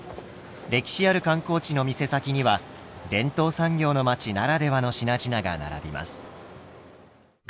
歴史ある観光地の店先には伝統産業の町ならではの品々が並びます。